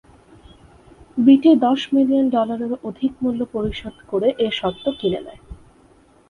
বিটি দশ মিলিয়ন ডলারেরও অধিক মূল্য পরিশোধ করে এ স্বত্ব কিনে নেয়।